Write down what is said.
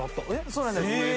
そうなんです。